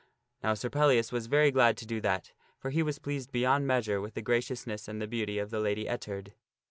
Now Sir Pellias was very glad to do that, for he was pleased beyond measure with the graciousness and the beauty of the Lady Ettard.